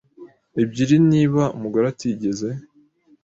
ebyiri niba umugore atigeze